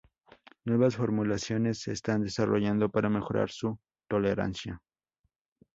Nuevas formulaciones se están desarrollando para mejorar su tolerancia.